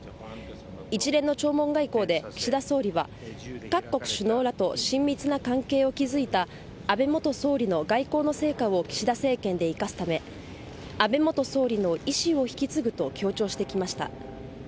一連の弔問外交で岸田総理は各国首脳らと親密な関係を築いた安倍元総理の外交の成果を岸田政権で生かすため安倍元総理の遺志を引き継ぐと強調してきました。